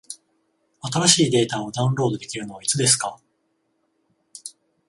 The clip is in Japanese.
新しいデータをダウンロードできるのはいつですか？